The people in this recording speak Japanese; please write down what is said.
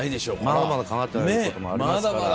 まだまだかなってないこともありますから。